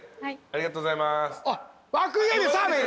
ありがとうございます。